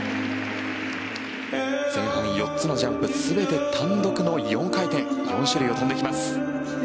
前半４つのジャンプ全て単独の４回転４種類を跳んできます。